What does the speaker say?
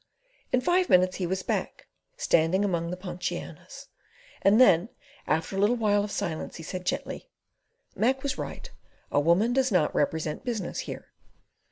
In five minutes he was back, standing among the ponchianas, and then after a little while of silence he said gently: "Mac was right. A woman does not represent business here."